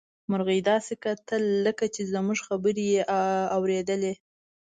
مرغۍ داسې کتل لکه چې زموږ خبرې يې اوريدلې.